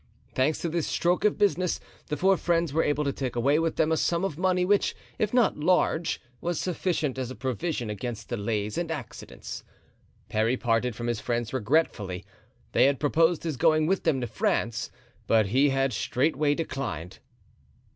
Thanks to this stroke of business the four friends were able to take away with them a sum of money which, if not large, was sufficient as a provision against delays and accidents. Parry parted from his friends regretfully; they had proposed his going with them to France, but he had straightway declined.